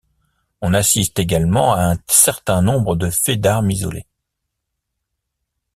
On assiste également à un certain nombre de faits d'armes isolés.